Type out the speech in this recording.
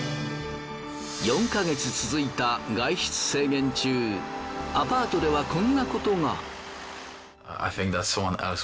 ４か月続いた外出制限中アパートではこんなことが。